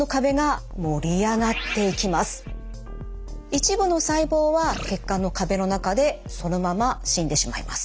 一部の細胞は血管の壁の中でそのまま死んでしまいます。